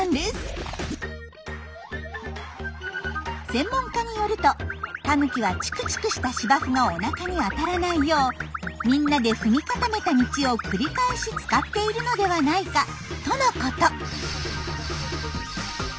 専門家によるとタヌキはチクチクした芝生がおなかに当たらないようみんなで踏み固めた道を繰り返し使っているのではないかとのこと。